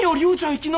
いきなり。